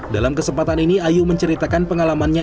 dalam kesempatan ini ayu menceritakan pengalamannya